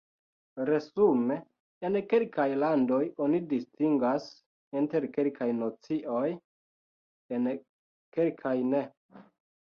Resume, en kelkaj landoj oni distingas inter kelkaj nocioj, en kelkaj ne.